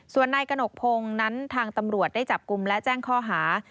ส่วนนายกระหนกพงศ์นั้นทางตำรวจได้จับกลุ่มและแจ้งข้อหา